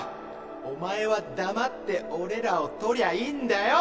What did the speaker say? お前は黙って俺らを取りゃいいんだよ！